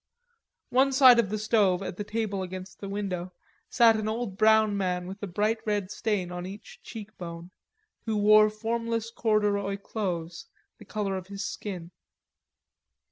One side of the stove at the table against the window, sat an old brown man with a bright red stain on each cheek bone, who wore formless corduroy clothes, the color of his skin.